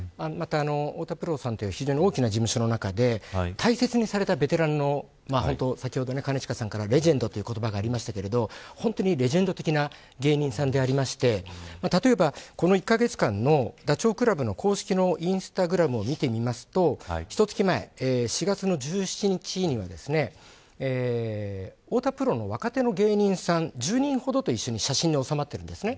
太田プロさんという非常に大きな事務所の中で大切にされたベテランの先ほど、兼近さんからレジェンドという言葉がありましたが本当にレジェンド的な芸人さんでありまして例えば、この１カ月間のダチョウ倶楽部の公式のインスタグラムを見てみると４月１７日には太田プロの若手の芸人さん１０人ほどと一緒に写真に収まっているんですね。